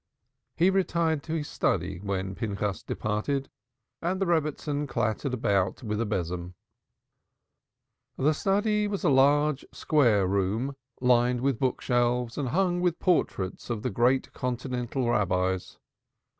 He retired to his study when Pinchas departed, and the Rebbitzin clattered about with a besom. The study was a large square room lined with book shelves and hung with portraits of the great continental Rabbis.